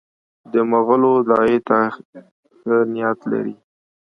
د مغولو داعیې ته ښه نیت لري.